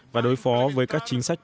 và đối phó với các chính sách